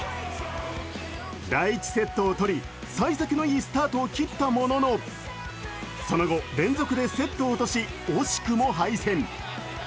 第１セットをとり、さい先のいいスタートを切ったもののその後、連続でセットを落とし、惜しくも敗戦。